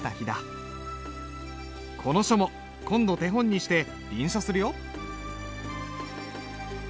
この書も今度手本にして臨書するよ。